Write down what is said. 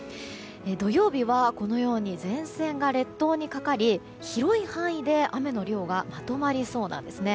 土曜日は前線が列島にかかり広い範囲で雨の量がまとまりそうなんです。